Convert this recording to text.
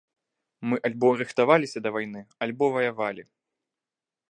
Мы альбо рыхтаваліся да вайны, альбо ваявалі.